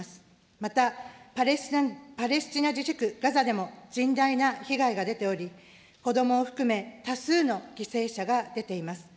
また、パレスチナ自治区ガザでも甚大な被害が出ており、子どもを含め多数の犠牲者が出ています。